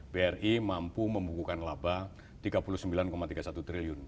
bri mampu membukukan laba rp tiga puluh sembilan tiga puluh satu triliun